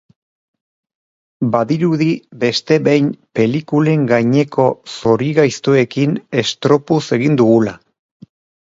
Badirudi beste behin pelikulen gaineko zorigaiztoekin estropuz egin dugula.